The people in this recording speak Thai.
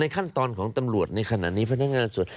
ขั้นตอนของตำรวจในขณะนี้พนักงานส่วน